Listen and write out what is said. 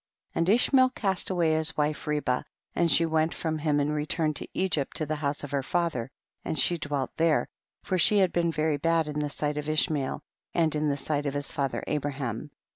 17. And Ishmael cast away his wife Ribah, and she went from him and returned to Egypt to the house of her father, and she dwelt there, for she had been very bad in the sight of Ishmael, and in the sight of his father Abraham.